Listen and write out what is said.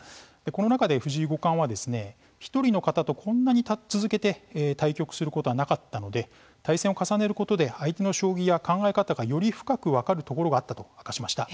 この中で藤井五冠は１人の方とこんなに続けて対局することはなかったので対戦を重ねることで相手の将棋や考え方がより深く分かるところがあったと明かしました。